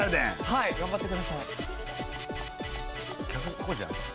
はい！頑張ってください。